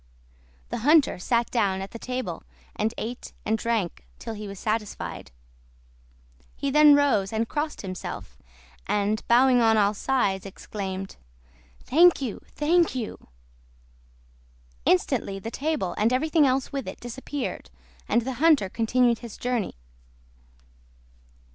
The hunter sat down at the table, and ate and drank till he was satisfied. He then rose, crossed himself, and, bowing on all sides, exclaimed— "Thank you! thank you!" Instantly the table, and everything else with it, disappeared, and the hunter continued his journey.